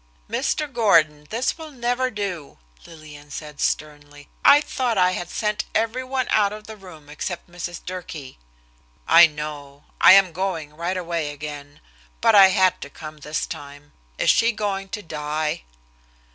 "Mr. Gordon, this will never do," Lillian said sternly. "I thought I had sent every one out of the room except Mrs. Durkee." "I know I am going right away again. But I had to come this time. Is she going to die?"